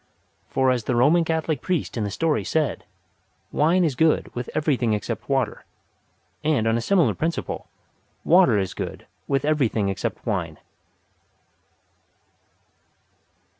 For as the Roman Catholic priest in the story said: "Wine is good with everything except water," and on a similar principle, water is good with everything except wine.